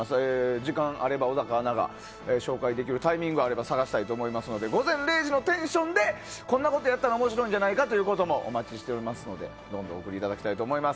時間があれば小高アナが紹介できるタイミングがあれば探したいと思いますので午前０時のテンションでこんなことをやったら面白いんじゃないかということもお待ちしておりますのでどんどんお送りいただきたいと思います。